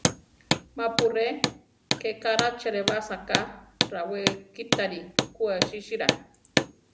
Ma-pu ré, ké kaʼrá cheʼlebasa ka; rawekítari ku asísira.